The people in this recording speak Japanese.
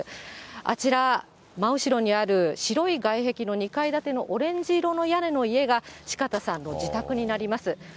あちら、真後ろにある白い外壁の２階建てのオレンジ色の屋根の家が、四方さんの自宅になります。